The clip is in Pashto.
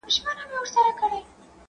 په مدار مدار یې غاړه تاووله !.